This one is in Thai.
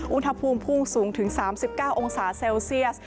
อุณหภูมิพุ่งสูงถึง๓๙องศาเซลเซียส